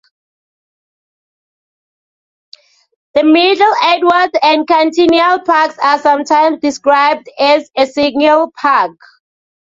The Myrtle Edwards and Centennial parks are sometimes described as a single park.